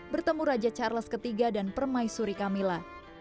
bertemu raja charles iii dan permaisuri camilla